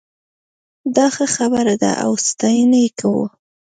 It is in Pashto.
دا ښه خبره ده او ستاينه یې کوو